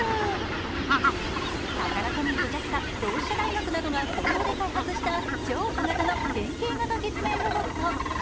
タカラトミーとＪＡＸＡ、同志社大学などが共同で開発した超小型の変型型月面ロボット。